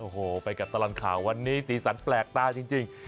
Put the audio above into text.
โอ้โหไปกับตลอดข่าววันนี้สีสันแปลกตาจริง